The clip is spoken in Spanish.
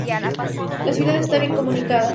La ciudad está bien comunicada.